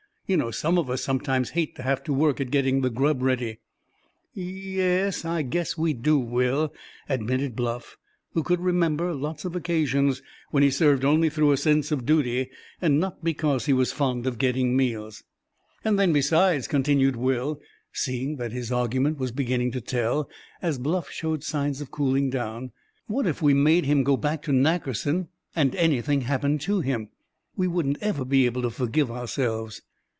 You know some of us sometimes hate to have to work at getting the grub ready." "Y yes, I guess we do, Will," admitted Bluff, who could remember lots of occasions when he served only through a sense of duty, and not because he was fond of getting meals. "Then besides," continued Will, seeing that his argument was beginning to tell, as Bluff showed signs of cooling down, "what if we made him go back to Nackerson, and anything happened to him, we wouldn't ever be able to forgive ourselves."